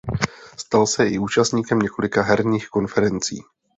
Stal se i účastníkem několika herních konferencí.